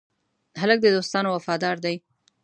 هلک د دوستانو وفادار دی.